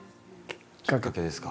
きっかけですか。